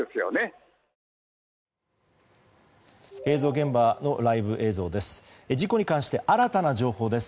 現場のライブ映像です。